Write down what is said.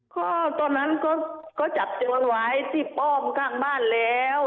ก็ตอนนั้นก็จับโจรไว้ที่ป้อมข้างบ้านแล้ว